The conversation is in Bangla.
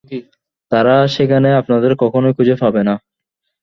তারা সেখানে আপনাদের কখনই খুঁজে পাবে না।